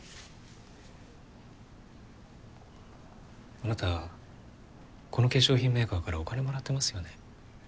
あなたこの化粧品メーカーからお金もらってますよね？